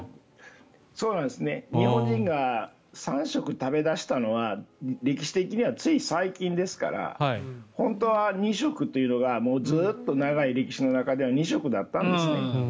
日本人が３食食べ出したのは歴史的にはつい最近ですから本当は２食というのがずっと長い歴史の中では２食だったんですね。